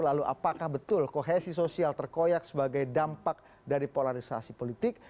lalu apakah betul kohesi sosial terkoyak sebagai dampak dari polarisasi politik